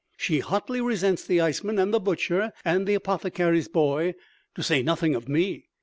She hotly resents the iceman and the butcher and the apothecary's boy, to say nothing of me.